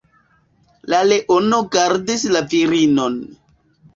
La leono gardis la virinon.